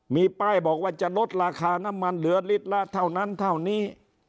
มีป้ายบอกว่าจะลดราคาน้ำมันเหลือลิตรละเท่านั้นเท่านี้